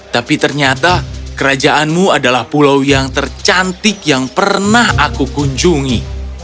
tapi ternyata kerajaanmu adalah pulau yang tercantik yang pernah aku kunjungi